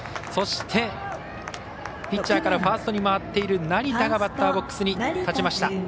そして、ピッチャーからファーストに回っている成田がバッターボックスに立ちました。